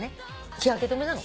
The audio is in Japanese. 日焼け止めなの。